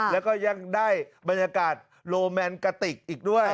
แล้วก็ยังได้บรรยากาศโลแมนกะติกอีกด้วย